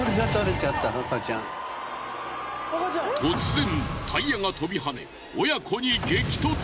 突然タイヤが飛び跳ね親子に激突！